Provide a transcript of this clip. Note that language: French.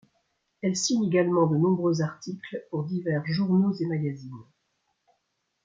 Elle signe également de nombreux articles pour divers journaux et magazines.